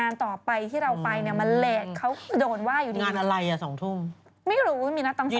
รออะไร๗๗๑๐๐๐ชั้นไม่มีอะไร